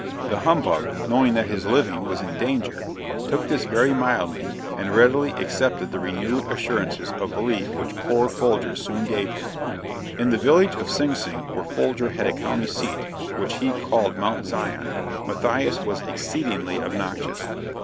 The humbug knowing that his living was in danger, took this very mildly, and readily accepted the renewed assurances of belief which poor Folger soon gave him. In the village of Sing Sing where Folger had a country seat which he called Mount Zion, Matthias was exceedingly obnoxious.